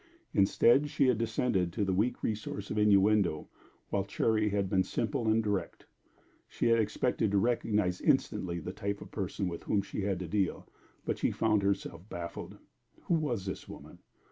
Instead, she had descended to the weak resource of innuendo, while Cherry had been simple and direct. She had expected to recognize instantly the type of person with whom she had to deal, but she found herself baffled. Who was this woman?